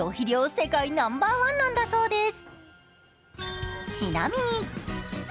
世界ナンバーワンなんだそうです。